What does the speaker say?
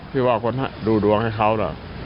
พี่บอกคนดูดวงให้เขานะ